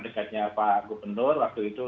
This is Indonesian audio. dekatnya pak gubernur waktu itu